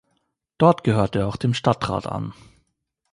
Dort gehörte er auch dem Stadtrat an.